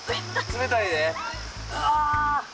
冷たいで。